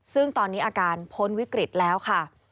ซึ่งตอนนี้อาการพ้นวิกฤตแล้วค่ะ